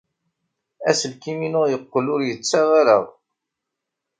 Aselkim-inu yeqqel ur yettaɣ ara.